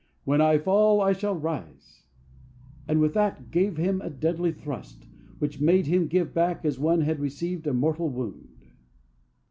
when I fall I shall arise'; and with that gave him a deadly thrust, which made him give back, as one that had received a mortal wound."